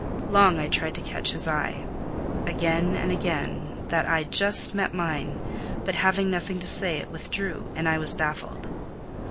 Long I tried to catch his eye. Again and again that eye just met mine; but, having nothing to say, it withdrew, and I was baffled.